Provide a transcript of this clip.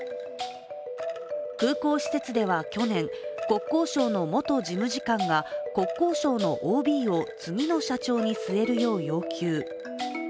空港施設では去年、国交省の元事務次官が国交省のＯＢを次の社長に据えるよう要求。